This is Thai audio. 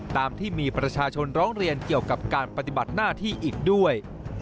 ตามที่มีประชาชนร้องเรียนเกี่ยวกับการปฏิบัติหน้าที่อีกด้วย